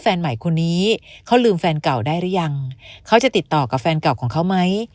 แฟนใหม่คนนี้เขาลืมแฟนเก่าได้หรือยังเขาจะติดต่อกับแฟนเก่าของเขาไหม